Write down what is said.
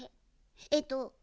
えっと。